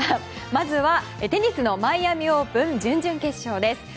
まずはテニスのマイアミ・オープン準々決勝です。